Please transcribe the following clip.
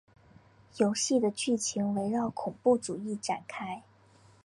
游戏的剧情围绕恐怖主义展开。